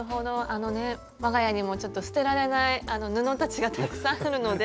あのね我が家にもちょっと捨てられない布たちがたくさんあるので。